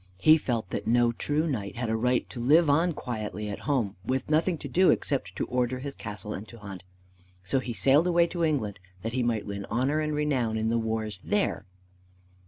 He felt that no true knight had a right to live on quietly at home, with nothing to do except to order his castle and to hunt. So he sailed away to England that he might win honor and renown in the wars there.